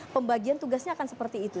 pembagian tugasnya akan seperti itu